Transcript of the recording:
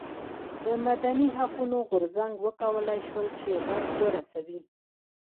د مدني حقونو غورځنګ وکولای شول چې غږ ورسوي.